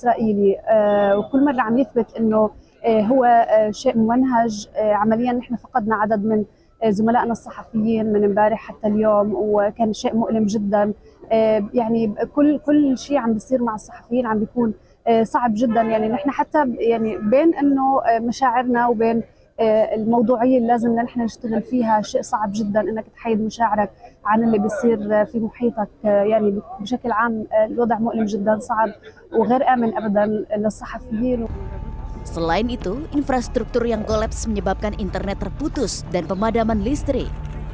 selain itu infrastruktur yang kolaps menyebabkan internet terputus dan pemadaman listrik